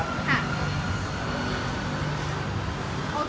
มาเร็วแต่ไม่ได้